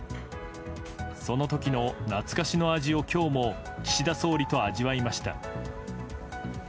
その時の懐かしの味を今日も岸田総理と味わいました。